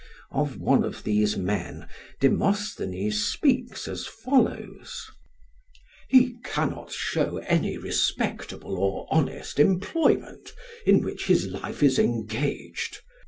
Of one of these men Demosthenes speaks as follows: "He cannot show any respectable or honest employment in which his life is engaged.